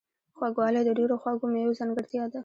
خوږوالی د ډیرو خواږو میوو ځانګړتیا ده.